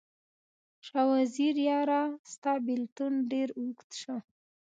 شاه وزیره یاره، ستا بیلتون ډیر اوږد شو